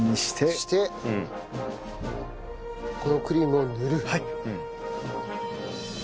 そしてこのクリームを塗る。